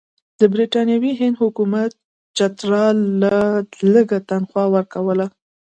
د برټانوي هند حکومت چترال ته لږه تنخوا ورکوله.